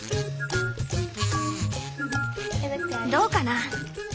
どうかな？